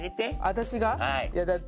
私が？